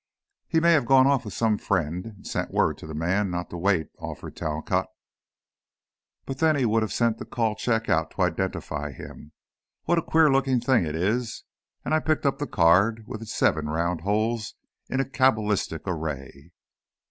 "He may have gone off with some friend, and sent word to the man not to wait," offered Talcott. "But then he would have sent the call check out to identify him. What a queer looking thing it is," and I picked up the card, with its seven round holes in a cabalistic array.